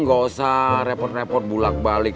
gak usah repot repot bulak balik